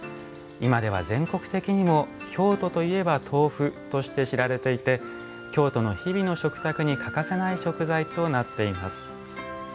今では全国的にも京都といえば豆腐として知られていて京都の日々の食卓に欠かせない食材となっています。